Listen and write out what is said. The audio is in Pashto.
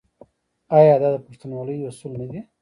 آیا دا د پښتونولۍ اصول نه دي؟